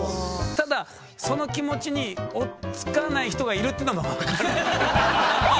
ただその気持ちに追っつかない人がいるっていうのも分かる。